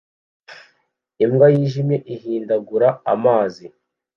Imbwa yijimye ihindagura amazi